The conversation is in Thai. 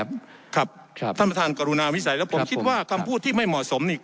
ท่านประธานกรุณาวิสัยแล้วผมคิดว่าคำพูดที่ไม่เหมาะสมนี่